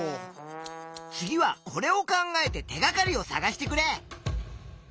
次はこれを考えて手がかりをさがしてくれ！